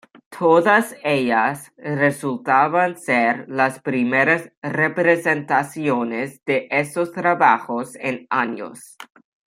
Todas ellas resultaban ser las primeras representaciones de esos trabajos en años.